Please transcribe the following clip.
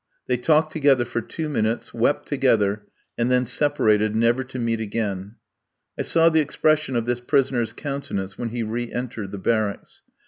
They talked together for two minutes, wept together, and then separated never to meet again. I saw the expression of this prisoner's countenance when he re entered the barracks.